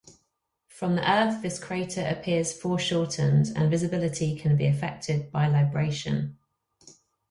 From the Earth this crater appears foreshortened, and visibility can be affected by libration.